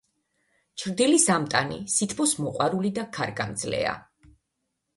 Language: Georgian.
ჩრდილის ამტანი, სითბოს მოყვარული და ქარგამძლეა.